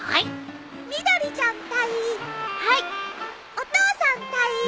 お父さん隊員。